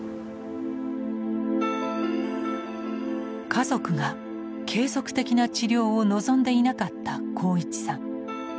家族が継続的な治療を望んでいなかった鋼一さん。